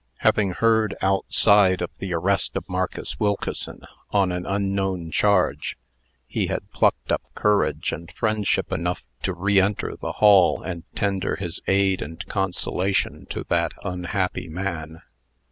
Having heard, outside, of the arrest of Marcus Wilkeson, on an unknown charge, he had plucked up courage and friendship enough to reenter the hall, and tender his aid and consolation to that unhappy man.